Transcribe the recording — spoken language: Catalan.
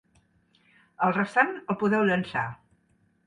El restant, el podeu llençar.